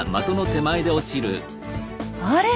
あれ？